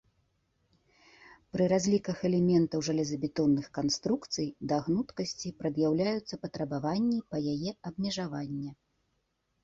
Пры разліках элементаў жалезабетонных канструкцый да гнуткасці прад'яўляюцца патрабаванні па яе абмежавання.